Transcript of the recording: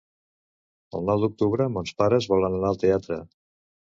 El nou d'octubre mons pares volen anar al teatre.